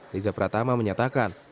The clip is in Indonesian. liza pratama menyatakan